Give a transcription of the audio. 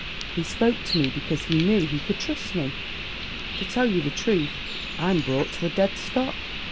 He spoke to me because he knew he could trust me. To tell you the truth, I'm brought to a dead stop.